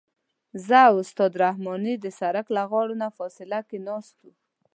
زه او استاد رحماني د سړک له غاړې نه فاصله کې ناست وو.